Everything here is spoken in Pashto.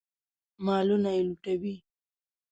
مالونه یې لوټوي.